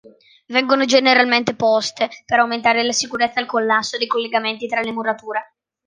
Vengono generalmente poste per aumentare la sicurezza al collasso dei collegamenti tra le murature.